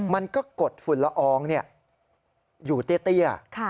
มันก็กดฝุ่นละอองอยู่เตี้ย